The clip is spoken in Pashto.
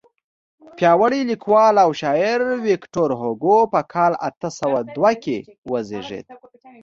پیاوړی لیکوال او شاعر ویکتور هوګو په کال اته سوه دوه کې وزیږېد.